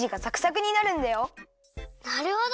なるほど！